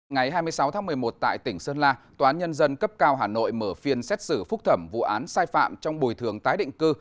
ngày hai mươi sáu tháng một mươi một tại tỉnh sơn la tòa án nhân dân cấp cao hà nội mở phiên xét xử phúc thẩm vụ án sai phạm trong bồi thường tái định cư